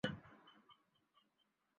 একটা কথা বলা যাবে?